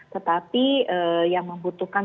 tetapi yang membutuhkan